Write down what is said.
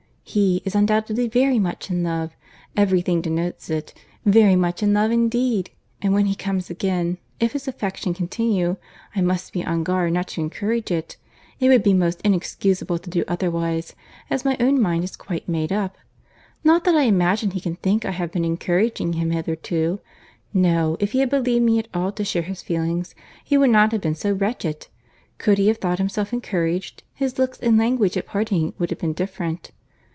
"He is undoubtedly very much in love—every thing denotes it—very much in love indeed!—and when he comes again, if his affection continue, I must be on my guard not to encourage it.—It would be most inexcusable to do otherwise, as my own mind is quite made up. Not that I imagine he can think I have been encouraging him hitherto. No, if he had believed me at all to share his feelings, he would not have been so wretched. Could he have thought himself encouraged, his looks and language at parting would have been different.